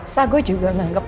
sa gue juga menganggap